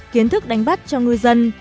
kiến thức đánh bắt cho ngư dân